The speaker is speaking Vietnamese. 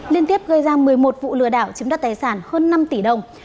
liên tiếp gây ra một mươi một vụ lừa đảo chiếm đất tài sản hơn năm tỷ đồng